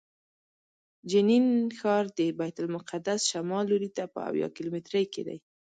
جنین ښار د بیت المقدس شمال لوري ته په اویا کیلومترۍ کې دی.